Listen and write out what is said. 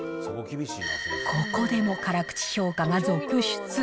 ここでも辛口評価が続出。